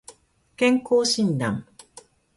健康診断